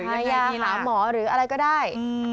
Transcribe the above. พยายามหาหมอหรืออะไรก็ได้